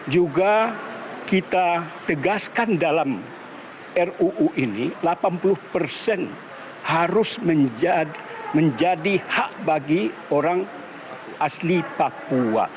juga kita tegaskan dalam ruu ini delapan puluh persen harus menjadi hak bagi orang asli papua